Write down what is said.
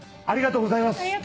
ありがとうございます。